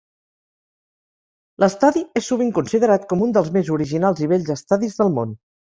L'estadi és sovint considerat com un dels més originals i bells estadis del món.